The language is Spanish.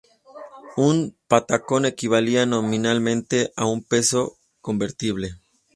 Un patacón equivalía nominalmente a un Peso convertible.